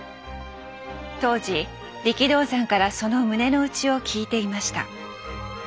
当時力道山からその胸の内を聞いていました。